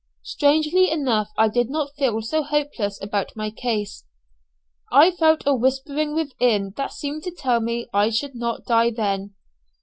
Strangely enough I did not feel so hopeless about my case. I felt a whispering within that seemed to tell me I should not die then.